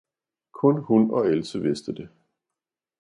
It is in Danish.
Kun hun og Else vidste det.